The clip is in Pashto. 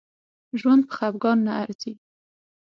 ژوند په خپګان نه ارزي